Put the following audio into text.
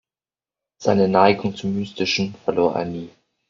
Seine „Neigung zum Mystischen“ verlor er nie.